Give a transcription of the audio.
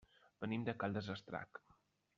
Venim de Caldes d'Estrac.